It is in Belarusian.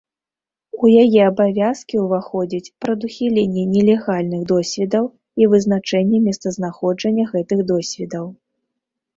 У яе абавязкі ўваходзіць прадухіленне нелегальных досведаў і вызначэнне месцазнаходжання гэтых досведаў.